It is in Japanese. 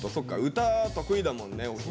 歌得意だもんね大東。